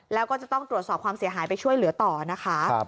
แล้วก็จะต้องตรวจสอบความเสียหายไปช่วยเหลือต่อนะคะ